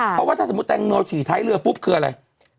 เพราะว่าถ้าสมมุติแตงโมฉี่ท้ายเรือปุ๊บคืออะไร